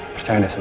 percaya di semua